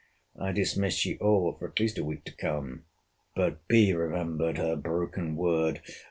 I dismiss ye all, for at least a week to come!—But remembered her broken word!